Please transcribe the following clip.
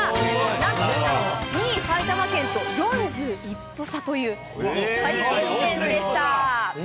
なんと２位埼玉県と４１歩差という、大接戦でした。